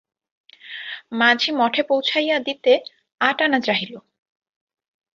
মাঝি মঠে পৌঁছাইয়া দিতে আট আনা চাহিল।